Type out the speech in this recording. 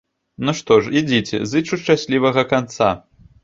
Ну, што ж, ідзіце, зычу шчаслівага канца.